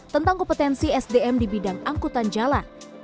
tentang kompetensi sdm di bidang angkutan jalan